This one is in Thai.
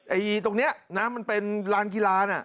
ไอ๋ตรงเนี้ยนะมันเป็นรานกีฬา